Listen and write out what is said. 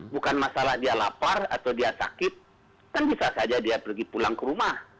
bukan masalah dia lapar atau dia sakit kan bisa saja dia pergi pulang ke rumah